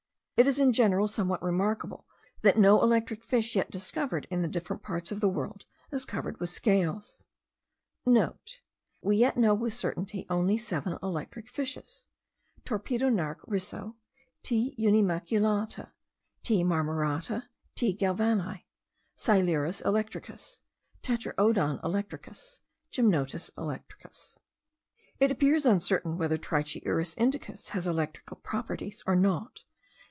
It is in general somewhat remarkable, that no electric fish yet discovered in the different parts of the world, is covered with scales.* (* We yet know with certainty only seven electric fishes; Torpedo narke, Risso, T. unimaculata, T. marmorata, T. galvanii, Silurus electricus, Tetraodon electricus, Gymnotus electricus. It appears uncertain whether the Trichiurus indicus has electrical properties or not.